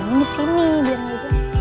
ini di sini biarin aja